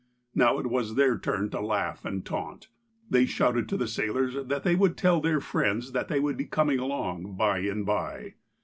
Now it was their turn to laugh and taunt. They shouted to the sailors that they would tell their friends that they would be coming along by and by.